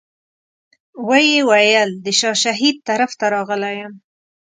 ویې ویل د شاه شهید طرف ته راغلی یم.